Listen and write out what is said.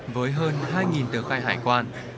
với hơn hai tờ khai hải quan